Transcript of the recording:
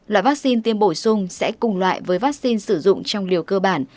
loại vaccine tiêm bổ sung sẽ cùng loại với vaccine sử dụng trong liều cơ bản